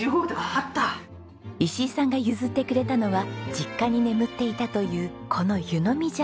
石井さんが譲ってくれたのは実家に眠っていたというこの湯飲み茶わん。